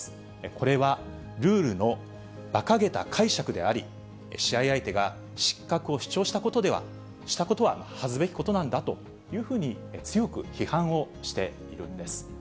これはルールのばかげた解釈であり、試合相手が失格を主張したことは恥ずべきことなんだというふうに強く批判をしているんです。